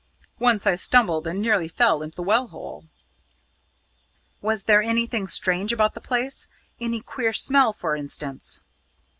Once I stumbled and nearly fell into the well hole." "Was there anything strange about the place any queer smell, for instance?"